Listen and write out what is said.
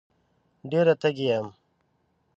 ډېره تږې یم